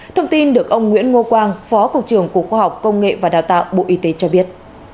thông tin được ông nguyễn ngô quang phó cục trưởng cục khoa học công nghệ và đào tạo bộ y tế cho biết